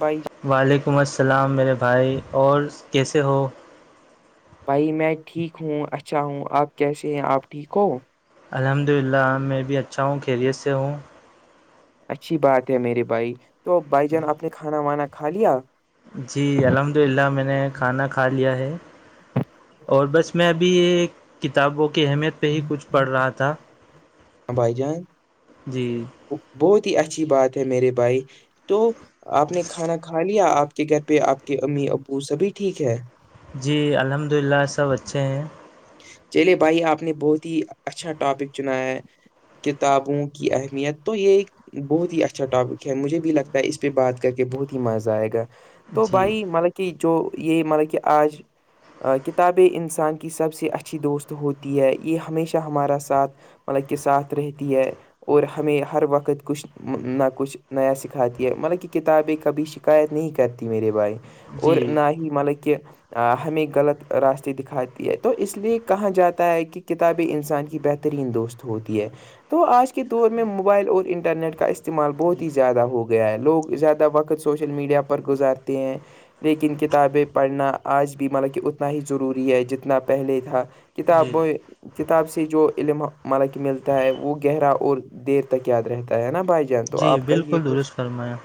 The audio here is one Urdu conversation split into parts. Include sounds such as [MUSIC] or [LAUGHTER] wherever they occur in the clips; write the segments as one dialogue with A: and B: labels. A: بئ
B: وعلیکم السلام میرے بھائی اور کیسے ہو
A: بھائی میں ٹھیک ہوں اچھا ہوں آپ کیسے ہیں آپ ٹھیک ہو
B: الحمد للہ میں بھی اچھا ہوں خیریت سے ہوں
A: اچھی بات ہے میرے بھائی تو بھائی جان آپ نے کھانا وانا کھا لیا
B: جی الحمد للہ میں نے کھانا کھا لیا ہے اور بس میں ابھی یہ کتابوں کی اہمیت پہ ہی کچھ پڑ رہا تھا
A: بھائی جان
B: جی
A: بہت ہی اچھی بات ہے میرے بھائی تو آپ نے کھانا کھا لیا آپ کے گھر پہ آپ کے امی ابو سبھی ٹھیک ہے
B: جی الحمد للہ سب اچھے ہیں
A: چلے بھائی آپ نے بہت ہی اچھا ٹاپک چنایا ہے کتابوں کی اہمیت تو یہ ایک بہت ہی اچھا ٹاپک ہے مجھے بھی لگتا ہے اس پہ بات کر کے بہت ہی مزہ آئے گا تو
B: جی
A: بھائی مطلب کہ جو یہ مطلب کہ آج کتابیں انسان کی سب سے اچھی دوست ہوتی ہے یہ ہمیشہ ہمارا ساتھ مطلب کے ساتھ رہتی ہے اور ہمیں ہر وقت کچھ نہ کچھ نیا سکھاتی ہے مطلب کہ کتابیں کبھی شکایت نہیں کرتی میرے بھائی اور
B: جی
A: مطلب کہ ہمیں غلط راستے دکھاتی ہے تو اس لیے کہاں جاتے ہے کہ کتابیں انسان کی بہترین دوست ہوتی ہے تو آج کے دور میں موبائل اور انٹرنیٹ کا استعمال بہت
B: جی
A: ہی زیادہ ہو گیا ہے لوگ زیادہ وقت سے سوشل میڈیا پر گزارتے ہیں لیکن کتابیں پڑھنا آج بھی مطلب کہ اتنا ہی ضروری ہے جتنا پہلے تھا
B: جی
A: [UNINTELLIGIBLE] کتاب سے جو علم ملک ملتا ہے وہ گہرا اور دیر تک یاد رہتا ہے نا بھائی ج
B: جی بالکل درست فرمایا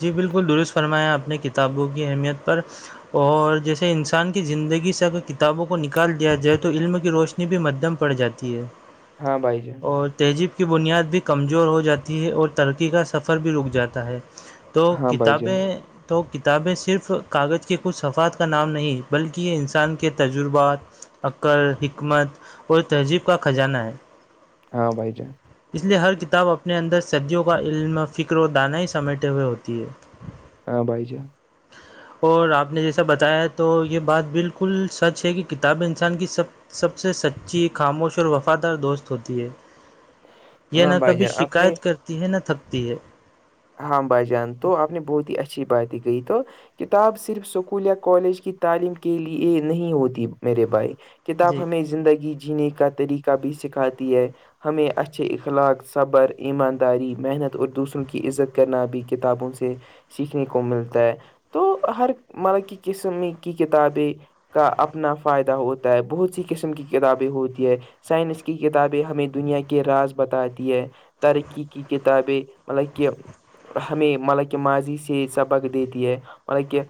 B: جی بالکل درست فرمایا اپنی کتابوں کی اہمیت پر اور جیسے انسان کی زندگی سے اگر کتابوں کو نکال دیا جائے تو علم کی روشنی انی بھی مدم پڑ جاتی ہے
A: ہاں بھائی جے
B: اور تہذیب کی بنیاد بھی کمزور ہو جاتی ہے اور ترقی کا سفر بھی رک جاتا ہے تو
A: ہاں بھائی جان
B: کتابیں تو کتابیں صرف کاغذ کے کچھ صفحات کا نام نہیں بلکہ یہ انسان کے تجربات عقر حکمت اور تہذیب کا خجانہ ہے
A: ہاں بائی جان
B: اس لیے ہر کتاب آپ اپنے اندر صدیوں کا علم فکر و دانائی سمیٹے ہوئے ہوتی ہے
A: ہاں بائی ج
B: اور آپ نے جیسا بتایا تو یہ بات بالکل سچ ہے کہ کتاب انسان کی سب سب سے سچی خاموش اور وفادار دوست ہوتی ہے یہ
A: ہاں
B: نہ
A: بھائی
B: کبھی
A: جان
B: ش
A: آپ نے
B: کرتی ہے نہ تھکتی ہے
A: ہاں بھائی جان تو آپ نے بہت ہی اچھی باتیں کہی تو کتاب صرف اسکول یا کالج کی تعلیم کے لیے نہیں ہوتی میرے بھائی کتاب
B: جی
A: ہمیں زندگی جینے کا طریقہ بھی سکھاتی ہے ہمیں اچھے اخلاق صبر ایمانداری محنت اور دوسروں کی کی عزت کرنا ابھی کتابوں سے سیکھنے کو ملتا ہے تو ہر مرب کی قسم کی کتابیں کا اپنا فائدہ ہوتا ہے بہت سی قسم کی کتابیں ہوتی ہے سائنس کی کتابیں ہمیں دنیا کے راز بتاتی ہے ترقی کی کتابیں مطلب کہ ہمیں مطلب کہ ماضی سے سبق دیتی ہے مطلب کہ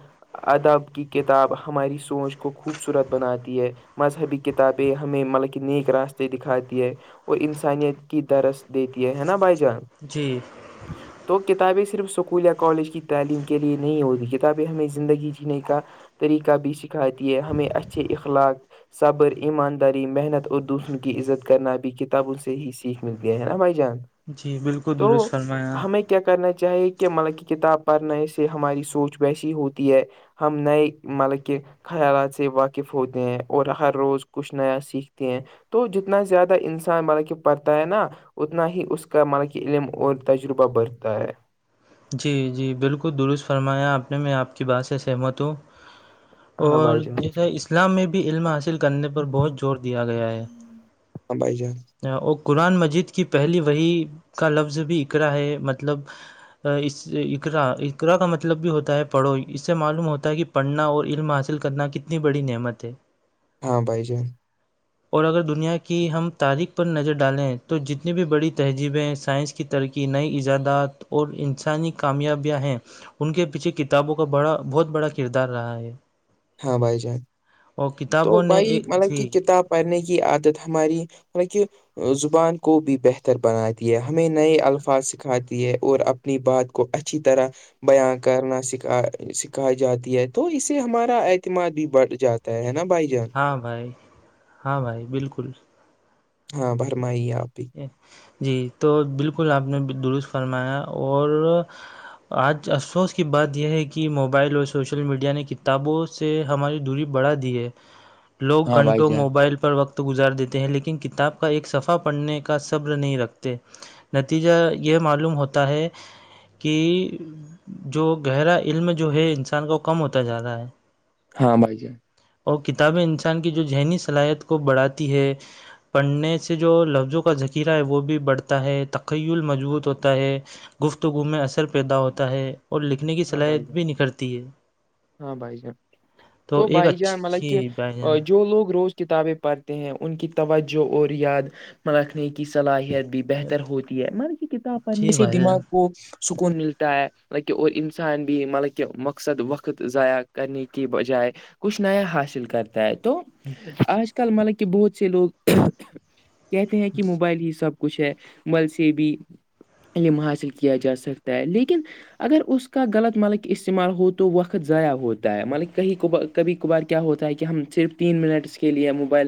A: ادب کی کتاب ہماری سوچ کو خوبصورت بناتی ہے مذہبی کتابیں ہمیں مطلب کہ نیک راستے دکھاتی ہے وہ انسانیت کی درس دیتی ہے نا بھائی جان
B: جی
A: ہ [UNINTELLIGIBLE] تو کتابیں صرف اسکول یا کالج کی تعلیم کے لیے نہیں ہوتی کتابیں ہمیں زندگی جینے کا طریقہ بھی سکھاتی ہے ہمیں اچھے اخلاق صبر ایمانداری محنت اور دوسروں کی عزت کرنا بھی کتابوں سے ہی سیکھ ملتے ہیں نا بھائی جان
B: جی بالکل
A: تو
B: درست فرمایا
A: ہمیں کیا کرنا چاہیے کہ مطلب کہ کتاب پڑھنے سے ہماری سوچ ویسی ہوتی ہے ہم نئے مطلب کہ خیالات سے واقف ہوتے ہیں اور ہر روز کچھ نیا سیکھتے ہیں تو جتنا زیادہ انسان ملب کہ پڑھتا ہے نا اتنا ہی اس کا ملب کہ علم اور تج روبا برتا ہے
B: جی جی بالکل درست فرمایا آپ نے میں آپ کی بات سے سہمت ہوں
A: ہاں
B: اور
A: بھائی جان
B: جیسے اسلام میں بھی علم حاصل کرنے پر بہت زور دیا گیا ہے
A: ہاں بھائی جان
B: اور قرآن مجید کی پہلی وہی کا لفظ بھی اقرا ہے مطلب اس اقرا اقرا کا مطلب بھی ہوتا ہے پڑھو اس سے معلوم ہوتا ہے کہ پڑھنا اور علم حاصل کرنا اتنی بڑی نعمت ہے
A: ہاں بھائی جان
B: اور اگر دنیا کی ہم تاریخ پر نظر ڈالیں تو جتنی بھی بڑی تہذیبیں سائنس کی ترقی نئی ایجادات اور ان انسانی کامیابیاں ہیں ان کے پیچھے کتابوں کا بڑا بہت بڑا کردار رہا ہے
A: ہاں بھائی جان
B: اور
A: تو
B: کتابوں نے
A: بھائی
B: ایک
A: مطلب
B: جی
A: کی کتاب پڑنے کی عادت ہماری مطل کہ زبان کو بھی بہتر بناتی ہے ہمیں نئے الفاظ سکھاتی ہے اور اب اپنی بات کو اچھی طرح بیاں کرنا سکھا سکھائی جاتی ہے تو اسے ہمارے اعتماد بھی بڑھ جاتا ہے نا جان
B: ہاں بھائی ہاں بھائی بالکل
A: ہاں فرمائی آپ بھی
B: جی تو بالکل آپ نے درست فرمایا اور آج افسوس کی بات یہ ہے کہ موبائل اور سوشل میڈیا نے کتابوں سے سے ہماری دوری بڑھا دی ہے
A: [INAUDIBLE]
B: لوگ
A: بھائی
B: گھنٹوں
A: جان
B: موبائل پر وقت گزار دیتے ہیں لیکن کتاب کا ایک صفحہ پڑھنے کا صبر نہیں رکھتے نتیجہ یہ معلوم ہوتا ہے کہ جو گہرا علم جو ہے انسان کو کم ہوتا جا رہا ہے
A: ہاں بائی جے
B: اور کتابیں انسان کی جو ذہنی صلاحیت کو بڑھاتی ہے پڑھنے سے جو لفظوں کا ذخیرہ ہے وہ بھی بڑھتا ہے تخیل مضبوط ہوتا ہے گفتگو میں اثر پیدا ہوتا ہے اور لکھنے کی
A: ہاں بھائی
B: صلاحیت
A: جان
B: بھی نکھرتی ہے
A: ہاں بھائی جان تو
B: ایک
A: بائی جان مطلب
B: اچھی بھائی جان
A: کہ جو لوگ روز کتابیں پڑھتے ہیں ان کی توجہ اور یاد میں رکھنے کی صلاحیت بھی بہتر ہوتی ہے م کتاب پڑھنے
B: جی
A: سے
B: بھائی
A: دماغ
B: جان
A: کو سکون ملتا ہے اور انسان بھی مطلب کہہ مقصد وقت ضائع کرنے کے بجائے کچھ نیا حاصل کرتا ہے تو آج کل مطلب کہ بہت سے لوگ کہتے ہیں کہ موبائل ہی سب کچھ ہے مل سے بھی علم حاصل کیا جا سکتا ہے لیکن اگر اس کا غلط مالک استعمال ہو تو وقت ضائع ہوتا ہے ملک کہیں کبار کبھی کبھار کیا ہوتا ہے کہ ہم صرف تین منٹ اس کے لیے موبائل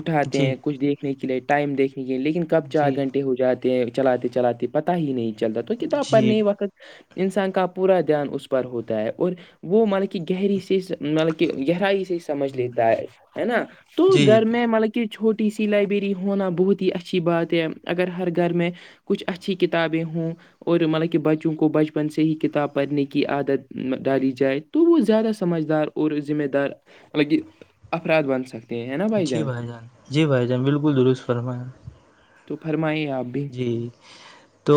A: اٹھاتے
B: جی
A: ہیں کچھ دیکھنے کے لیے ٹائم دیکھنے کے لیے لیکن کب چار
B: جی
A: گھنٹے ہو جاتے ہیں چلاتے چلاتے پتا ہی نہیں چلتا تو کتاب
B: جی
A: پڑنے وقت انسان کا پورا دھیان اس پر ہوتا ہے اور وہ مطلب کہ گہری سے مطلب کہ گہرائی سے سمجھ لیتا ہے ہے نا تو
B: جی
A: گھر میں مطلب کہ چھوٹی سی لائبریری ہونا بہت ہی اچھی بات ہے اگر ہر گھر میں کچھ اچھی کتابیں ہوں اور مطلب کہ بچوں کو بچپن سے ہی کتاب پڑھنے کی عادت ڈالی جائے تو وہ زیادہ سمجھدار اور ذمہ دار افراد بن سکتے ہیں
B: جی بھائی جان جی بھائی جان بالکل درست فرمایا
A: تو فرمائیے آپ بھی
B: جی تو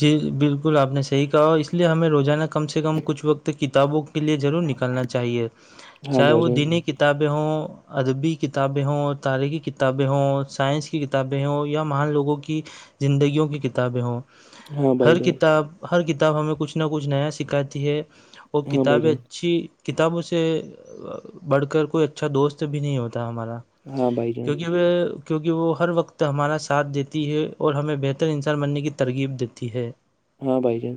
B: جی بالکل آپ نے صحیح کہا اس لیے ہمیں روزانہ سے کم کچھ وقت کتابوں کے لیے ضرور نکلنا چاہیے
A: ہاں
B: چاہے
A: بھائی
B: وہ
A: جان
B: دین کتاب [UNINTELLIGIBLE] ادبی کتابیں ہوں تاریخی کتابیں ہوں سائنس کی کتابیں ہوں یا مان لوگوں کی زندگیوں کی کتابیں ہوں
A: ہاں بھائی
B: ہر
A: جان
B: کتاب ہر کتاب ہمیں کچھ نہ کچھ نیا سکھاتی ہے وہ
A: ہاں بھائی
B: کتابیں
A: جان
B: اچھی کتابوں سے پڑھ کر کوئی اچھا دوست بھی نہیں ہوتا ہمارا
A: ہاں بھائی جان
B: کیونکہ وہ کیونکہ وہ ہر وقت ہمارا ساتھ دیتی ہے اور ہمیں بہتر انسان بننے کی ترغیب دیتی ہے
A: ہاں بائی جان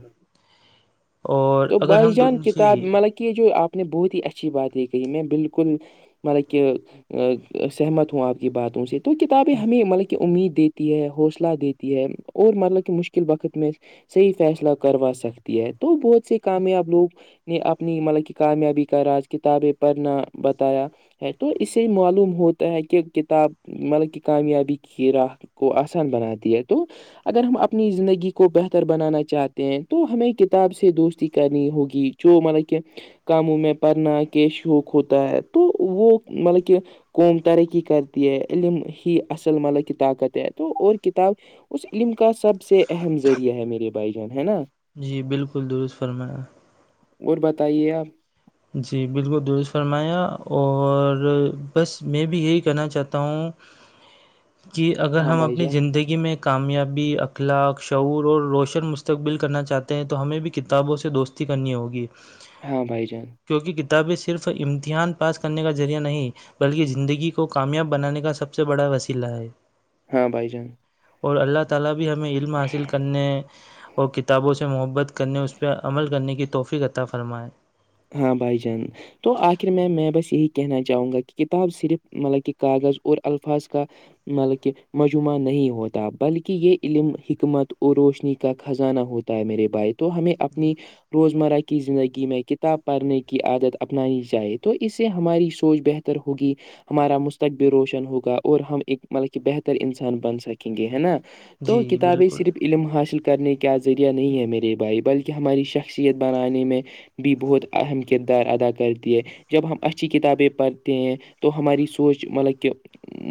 B: اور
A: تو
B: اگر
A: بھائی
B: ہم
A: جان
B: دونوں
A: کتاب
B: جی
A: مطلب کہ یہ جو آپ نے بہت ہی اچھی بات یہ کہی میں بالکل مطلب کہ سہمت ہوں آپ کی باتوں سے تو کتابیں ہمیں مطلب کہ امید دیتی ہے حوصلہ دیتی ہے اور مطلب کہ مشکل وقت میں صحی فیصلہ کروا سکتی ہے تو بہت سے کامیاب لوگ نے اپنی مطلب کہ کامیابی کا راج کتابیں پڑھنا بتایا ہے تو اس سے معلوم ہوتا ہے کہ کتاب مطلب کہ کامیابی کی ر میں کو آسان بنا د ہے تو اگر ہم اپنی زندگی کو بہتر بنانا چاہتے ہیں تو ہمیں کتاب سے دوست ہوگی جو م کیا کاموں میں پڑنا کے شوق ہوتا ہے تو وہ مطلب کہ قوم ترقی کرتی ہے علم ہی اصل مطلب کی طاقت ہے تو اور کتاب اس علم کا سب سے اہم ذریعہ ہے میرے بھائی جان ہے نا
B: جی بالکل درست فرمایا
A: اور بتائیے آپ
B: جی بالکل درست فرمایا اور بس میں بھی یہی کہنا چاہتا ہوں
A: [UNINTELLIGIBLE]
B: کہ اگر
A: ہاں
B: ہم
A: بھائی
B: اپنی
A: جان
B: زندگی میں کامیابی اخلاق شعور اور روشن مستقبل کرنا چاہتے ہیں تو ہمیں بھی کتابوں سے دوست کرنی ہوگی
A: ہاں بھائی جان
B: کیونکہ کتابیں صرف امتحان پاس کرنے کا ذریعہ نہیں بلکہ زندگی کو کامیاب بنانے کا سب سے بڑا وسیلہ ہے
A: ہاں بائی جان
B: اور اللہ تعالی بھی ہمیں علم حاصل کرنے اور کتابوں سے محبت کرنے اس پہ عمل کرنے کی توحفی کطا فرمائیں
A: ہاں بھائی جان تو آخر میں میں بس یہی کہنا چاہوں گا کہ کتاب صرف مطلب کہ کاغذ اور الفاظ کا مطلب کہ مجمعہ نہیں ہوتا بلکہ یہ علم حکمت اور روشنی کا خزانہ ہوتا ہے میرے بھائی تو ہمیں اپنی روزمرہ کی زندگی میں کتنی ت پڑھنے کی عادت اپنانی چاہیے تو اس سے ہماری سوچ بہتر ہوگی ہمارا مستقبل روشن ہوگا اور ہم ایک مطلب کہ بہتر انسان بن سکیں گے ہے نا تو
B: جی
A: کتابیں
B: بالکل
A: صرف علم حاصل کرنے کا ذریعہ نہیں ہے میرے بھائی بلکہ کہ ہماری شخصیت بنانے میں بھی بہت اہم کردار ادا کرتی ہے جب ہم اچھی کتابیں پڑھتے ہیں تو ہماری سوچ مطلب کہ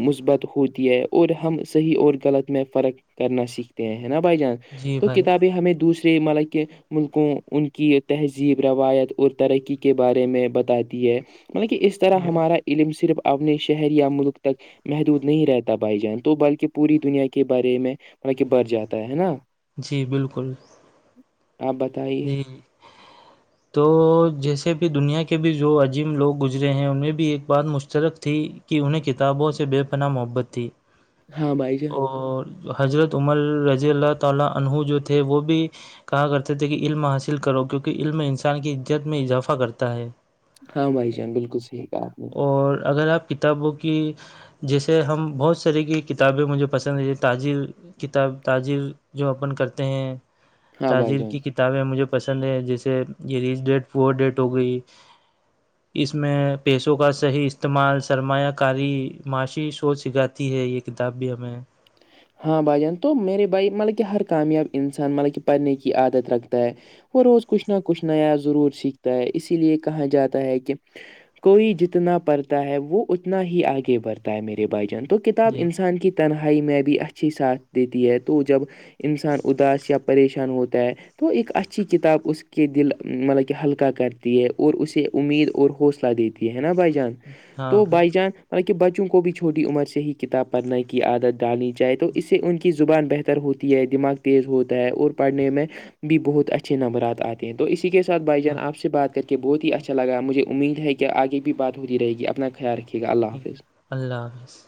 A: مثبت ہوتی ہے اور ہم صحیح اور غلط میں فرق کرنا سیکھتے ہیں نا بھائی جان
B: جی
A: تو
B: بھائی
A: کتابیں ہمیں دوسرے ملک کے ملکوں ان کی تہذیب روایت اور ترقی کے بارے میں بتاتی ہے مطلب کہ اس طرح
B: جی
A: ہمارا علم صرف اپنے شہر یا ملک تک محدود نہیں رہتا بھائی جان تو بلکہ پوری دنیا کے بارے میں بطل کہ بر جاتا ہے نا
B: جی بالکل
A: ہ آپ بتائیے
B: ہوں
A: [INAUDIBLE]
B: تو جیسے بھی دنیا کے بھی جو عجیم لوگ گزرے ہیں انہیں بھی ایک بات مشترک تھی کہ انہیں کتابوں سے بے پناہ محبت تھی
A: ہاں بھائی جان
B: اور حضرت عمر رضی اللہ تعالی انہو جو تھے وہ بھی کہا کرتے تھے علم حاصل کرو کیونکہ علم انسان کی عزت میں اضافہ کرتا ہے
A: ہاں بھائی جان بالکل صحیح کہا آپ نے
B: اور اگر آپ کتابوں کی جیسے ہم بہت سرےح کی کتابیں مجھے پسند ہیں یہ تاجر کتاب تاجر جو اپن کرتے ہیں
A: ہاں بھائی
B: تاجر
A: جان
B: کی کتابیں مجھے پسند ہیں جیسے یہ ریس ڈیٹ فور ڈیٹ ہو گئی
A: [INAUDIBLE]
B: اس میں پیسوں کا صحیح استعمال سرمایہ کاری معاشی سوچ سکھاتی ہے یہ کتاب بھی ہمیں
A: ہ ہاں بھائی جان تو میرے بھائی مطلب کہ ہر کامیاب انسان مطلب کہ پڑھنے کی عادت رکھتا ہے وہ روز کچھ نہ کچھ نیا ضرور سیکھتا ہے اسی لیے کہا جاتا ہے کہ کوئی جتنا پڑھتا ہے وہ اتنا ہی آگے بڑھتا ہے میرے بھائی جان تو کتاب
B: جی
A: انسان کی تنہائی میں بھی اچھی ساتھ دیتی ہے تو جب انسان اداس یا پریشان ہوتا ہے تو ایک اچھی کتاب اس کے دل مطلب کہ ہلکا کرتی ہے اور اسے امید اور حوصلہ دیتی ہے کہ نا بجان
B: ہاں
A: تو
B: بھائی
A: بائی جان مطب کہ بچوں کو بھی چھوٹی عمر سے ہی کتاب پڑھنے کی عادت ڈالی جائے تو اس سے انچ کی زبان بہتر ہوتی ہے دماغ تیز ہوتا ہے اور پڑھنے میں بھی بہت اچھے نمبرات آتے ہیں تو اسی کے ساتھ بھائی جان
B: ہاں
A: آپ سے بات کرتے کہ بہت ہی اچھا لگا مجھے امید ہے کہ آگے بھی بات ہوتی رہے گی اپنا خیال رکھیے گا اللہ
B: ٹھیک ہے،
A: حافظ
B: اللہ حافظ